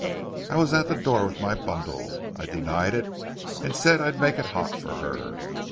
I was at the door with my bundle. I denied it, and said I'd make it hot for her.